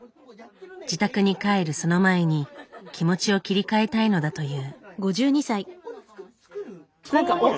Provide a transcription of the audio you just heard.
自宅に帰るその前に気持ちを切り替えたいのだという。